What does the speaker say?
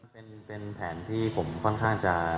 เป็นแผนที่ผมค่อนข้างจะ